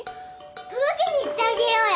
届けに行ってあげようよ。